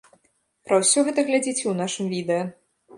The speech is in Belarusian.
Пра ўсё гэта глядзіце ў нашым відэа.